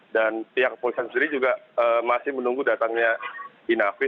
dan pihak polisian sendiri juga masih menunggu datangnya inap